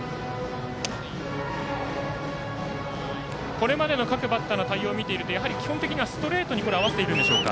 これまでの各バッターの対応を見ていると基本的にはストレートに合わせているんでしょうか。